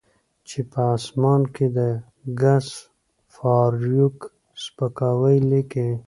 چې په اسمان کې د ګس فارویک سپکاوی لیکي